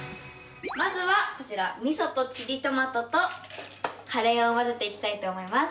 まずは味噌とチリトマトとカレーを混ぜて行きたいと思います。